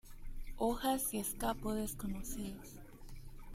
Hojas y escapo desconocidos.